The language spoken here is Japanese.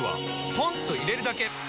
ポンと入れるだけ！